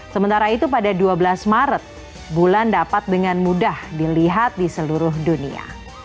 sementara itu pada dua belas maret bulan dapat dengan mudah dilihat di seluruh dunia